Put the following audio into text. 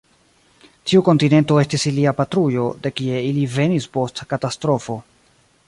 Tiu kontinento estis ilia patrujo, de kie ili venis post katastrofo.